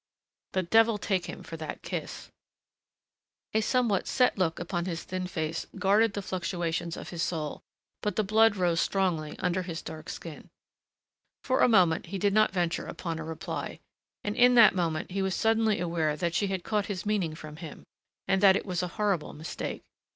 The devil take him for that kiss! A somewhat set look upon his thin face guarded the fluctuations of his soul, but the blood rose strongly under his dark skin. For a moment he did not venture upon a reply, and in that moment he was suddenly aware that she had caught his meaning from him and that it was a horrible mistake.